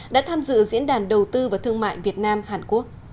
đã tham dự diễn đàn đầu tư và thương mại việt nam hàn quốc